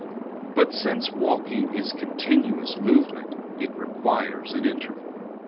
But since walking is continuous movement, it requires an interval.